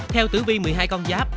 theo tử vi một mươi hai con giáp